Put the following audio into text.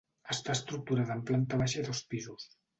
Està estructurada en planta baixa i dos pisos.